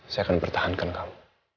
saya akan pertahankan kamu